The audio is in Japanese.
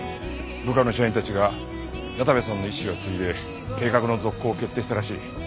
部下の社員たちが矢田部さんの遺志を継いで計画の続行を決定したらしい。